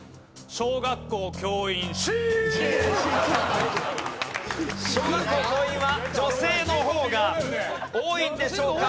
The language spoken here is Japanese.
小学校教員は女性の方が多いんでしょうか？